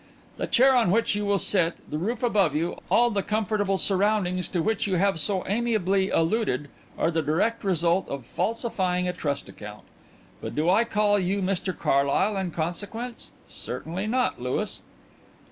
"The chair on which you will sit, the roof above you, all the comfortable surroundings to which you have so amiably alluded, are the direct result of falsifying a trust account. But do I call you 'Mr Carlyle' in consequence? Certainly not, Louis."